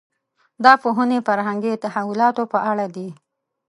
دا پوهنې فرهنګي تحولاتو په اړه دي.